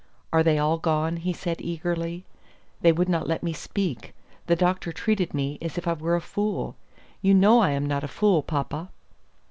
"Are they all gone?" he said eagerly. "They would not let me speak. The doctor treated me as if I were a fool. You know I am not a fool, papa."